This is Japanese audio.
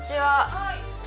はい。